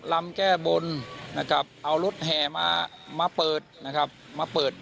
ลำแก้บนนะครับเอารถแห่มามาเปิดนะครับมาเปิด